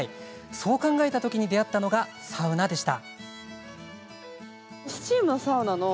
そう考えたときに出会ったのがサウナでした。